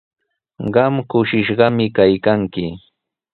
Qam kushishqami kaykanki.